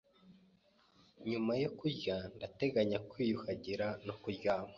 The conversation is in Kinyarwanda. Nyuma yo kurya, ndateganya kwiyuhagira no kuryama.